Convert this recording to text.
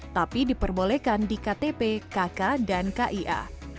tapi diperbolehkan di ktp kk dan kia